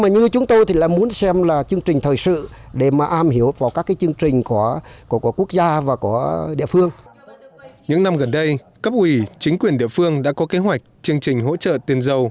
những năm gần đây cấp ủy chính quyền địa phương đã có kế hoạch chương trình hỗ trợ tiền dầu